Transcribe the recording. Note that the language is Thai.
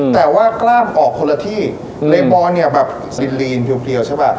แต่ว่ากล้ามออกคนละที่อืมเรย์บอลเนี้ยแบบดินรีนเพียวเพียวใช่ป่ะ